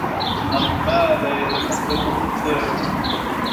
عن ماذا يتحدث الكتاب؟